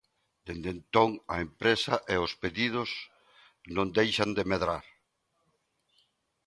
Dende entón a empresa e os pedidos non deixan de medrar.